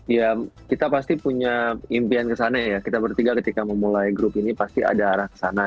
ya kita pasti punya impian kesana ya kita bertiga ketika memulai grup ini pasti ada arah ke sana